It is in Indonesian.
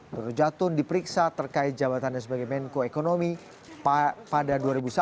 doro jatun diperiksa terkait jabatannya sebagai menko ekonomi pada dua ribu satu dua ribu empat